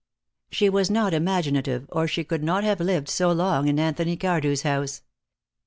She was not imaginative, or she could not have lived so long in Anthony Cardew's house.